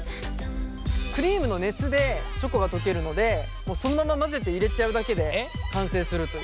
クリームの熱でチョコが溶けるのでそのまま混ぜて入れちゃうだけで完成するという。